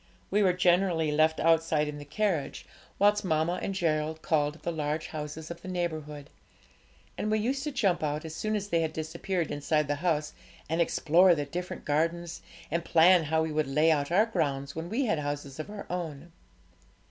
We were generally left outside in the carriage, whilst mamma and Gerald called at the large houses of the neighbourhood; and we used to jump out, as soon as they had disappeared inside the house, and explore the different gardens, and plan how we would lay out our grounds when we had houses of our own.